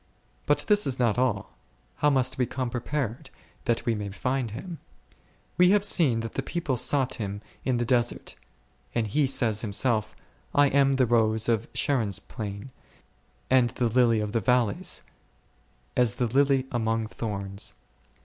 But this is not all ; How must we come prepared, that we may find Him ? We have seen that the people sought Him in the desert ; and He says Himself, / am the rose of Sharon s plain, and the lily of the valleys ; as the lily among thorns.